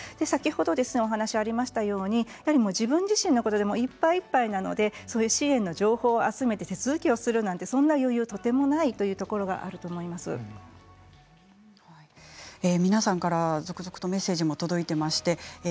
先ほどお話がありましたように自分自身のことでいっぱいいっぱいなのでそういう支援の情報を集めて手続きをする余裕なんてとってもないというところがある皆さんから続々とメッセージも届いています。